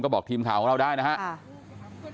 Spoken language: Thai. บอกทีมข่าวของเราได้นะครับ